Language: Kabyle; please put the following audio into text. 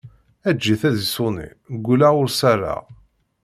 Eǧǧ-it ad iṣuni, ggulleɣ ur s-rriɣ!